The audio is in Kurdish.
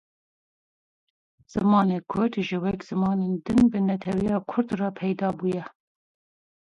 Lêvên te wek yên devan mezin û qalind in.